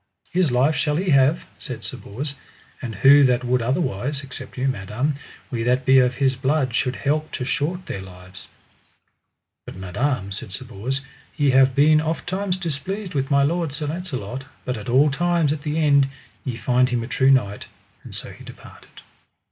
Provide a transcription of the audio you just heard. His life shall he have, said Sir Bors, and who that would otherwise, except you, madam, we that be of his blood should help to short their lives. But madam, said Sir Bors, ye have been oft times displeased with my lord, Sir Launcelot, but at all times at the end ye find him a true knight: and so he departed.